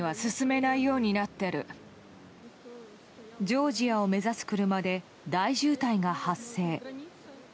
ジョージアを目指す車で大渋滞が発生。